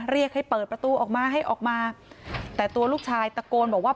เรียกให้เปิดประตูออกมาให้ออกมาแต่ตัวลูกชายตะโกนบอกว่า